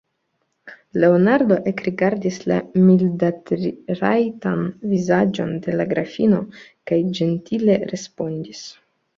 Leonardo ekrigardis la mildatrajtan vizaĝon de la grafino kaj ĝentile respondis: